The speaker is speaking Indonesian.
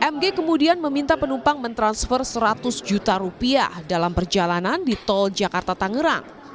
mg kemudian meminta penumpang mentransfer seratus juta rupiah dalam perjalanan di tol jakarta tangerang